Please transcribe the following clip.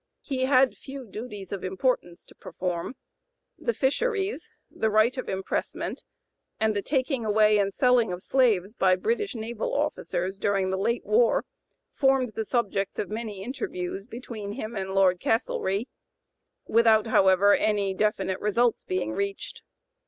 He had few duties of importance to perform. The fisheries, the right of impressment, (p. 099) and the taking away and selling of slaves by British naval officers during the late war, formed the subjects of many interviews between him and Lord Castlereagh, without, however, any definite results being reached.